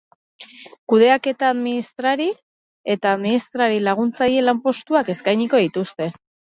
Kudeaketa, administrari eta administrari laguntzaile lanpostuak eskainiko dituzte.